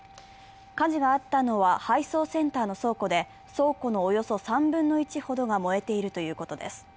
火事があったのは配送センターの倉庫で、倉庫のおよそ３分の１ほどが燃えているということです。